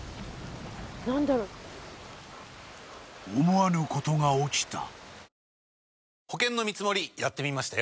［思わぬことが起きた］